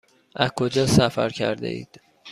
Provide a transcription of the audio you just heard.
از کجا سفر کرده اید؟